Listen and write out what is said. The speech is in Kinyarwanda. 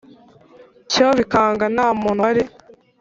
cyo bikanga Nta muntu wari